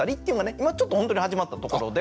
今ちょっとほんとに始まったところで。